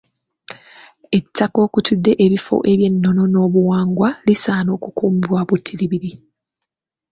Ettaka okutudde ebifo by’ennono n’obuwangwa lisaana kukuumibwa butiribiri.